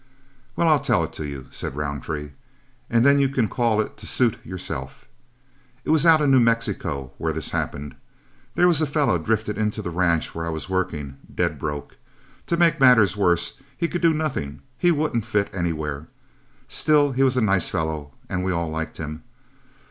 "Well, I'll tell it to you," said Roundtree, "and then you can call it to suit yourself. It was out in New Mexico where this happened. There was a fellow drifted into the ranch where I was working, dead broke. To make matters worse, he could do nothing; he wouldn't fit anywhere. Still, he was a nice fellow and we all liked him.